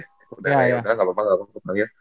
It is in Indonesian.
udah yaudah nggak apa apa